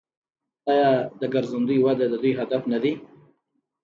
آیا د ګرځندوی وده د دوی هدف نه دی؟